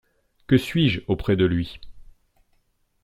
Que suis-je auprès de Lui.